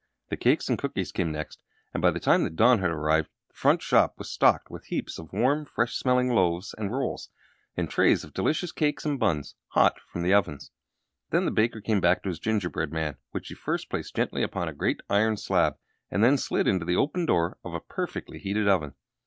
The cakes and cookies came next, and by the time that dawn arrived the front shop was stocked with heaps of the warm, fresh smelling loaves and rolls, and trays of delicious cakes and buns, hot from the ovens. Then the baker came back to his gingerbread man, which he first placed gently upon a great iron slab, and then slid it all into the open door of a perfectly heated oven.